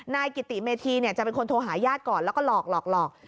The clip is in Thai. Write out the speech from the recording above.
นายกิติเมธีจะเป็นคนโทรหาญาติก่อนแล้วก็หลอกหลอก